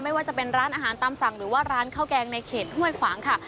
ไม่ว่าจะเป็นร้านอาหารตามสั่งหรือว่าร้านข้าวแกงในเขตห้วยขวางค่ะ